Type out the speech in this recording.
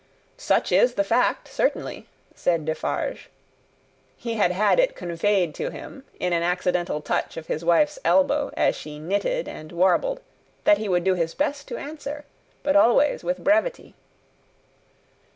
"Such is the fact, certainly," said Defarge. He had had it conveyed to him, in an accidental touch of his wife's elbow as she knitted and warbled, that he would do best to answer, but always with brevity.